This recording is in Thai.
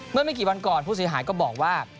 เมื่อไม่กี่วันก่อนผู้เสียหายก็บอกว่า